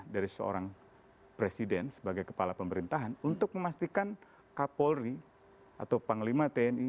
dari seorang presiden sebagai kepala pemerintahan untuk memastikan kapolri atau panglima tni